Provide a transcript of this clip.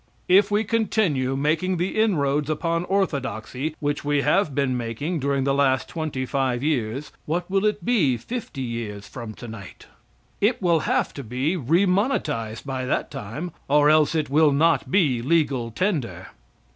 If we continue making the inroads upon orthodoxy which we have been making during the last twenty five years, what will it be fifty years from to night? It will have to be remonetized by that time, or else it will not be legal tender.